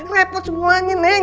repot semuanya neng